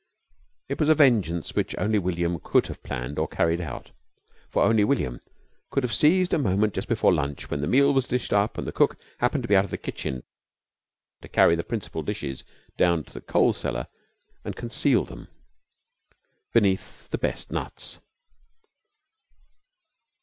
It was a vengeance which only William could have planned or carried out. For only William could have seized a moment just before lunch when the meal was dished up and cook happened to be out of the kitchen to carry the principal dishes down to the coal cellar and conceal them beneath the best nuts.